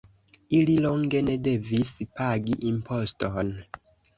Ili longe ne devis pagi imposton.